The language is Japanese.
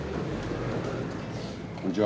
こんにちは。